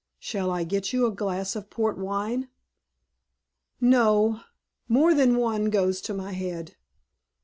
"Shall I get you a glass of port wine?" "No; more than one goes to my head."